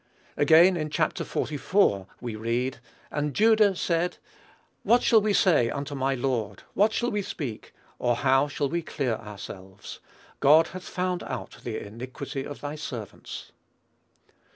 Again, in Chap. xliv. we read, "And Judah said, What shall we say unto my Lord? What shall we speak? or how shall we clear ourselves? God hath found out the iniquity of thy servants."